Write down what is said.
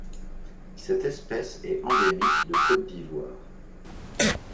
Cette espèce est endémique de Côte d'Ivoire.